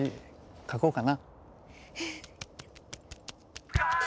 書こうかな。